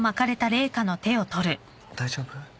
大丈夫？